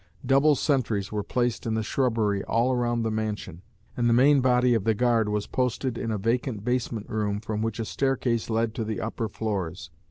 Double sentries were placed in the shrubbery all around the mansion, and the main body of the guard was posted in a vacant basement room, from which a staircase led to the upper floors.